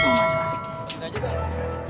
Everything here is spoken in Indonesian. saya juga kesel